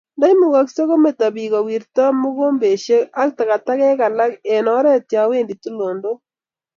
Ndaimugaksee kometo biik kowirtoi mukeboshek ago tagatagek alak eng oret yaiwendi tulondok